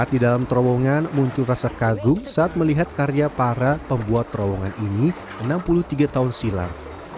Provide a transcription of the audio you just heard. di dalam terowongan muncul rasa kagum saat melihat karya para pembuat terowongan ini enam puluh tiga tahun silam